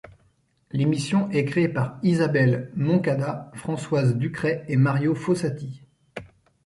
L'émission est créée par Isabelle Moncada, Françoise Ducret et Mario Fossati.